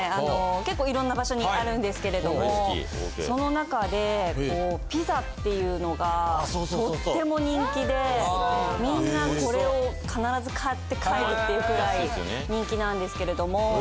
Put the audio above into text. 結構色んな場所にあるんですけれどもその中でピザっていうのがとっても人気でみんなこれを必ず買って帰るっていうくらい人気なんですけれども。